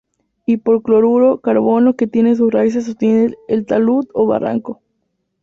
Y por el cloruro carbono que tienen sus raíces sostiene el talud o barranco.